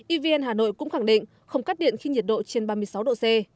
evn hà nội cũng khẳng định không cắt điện khi nhiệt độ trên ba mươi sáu độ c